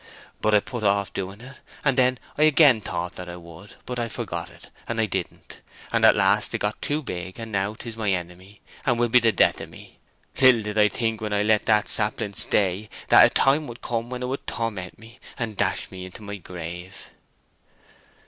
But I put off doing it, and then I again thought that I would; but I forgot it, and didn't. And at last it got too big, and now 'tis my enemy, and will be the death o' me. Little did I think, when I let that sapling stay, that a time would come when it would torment me, and dash me into my grave."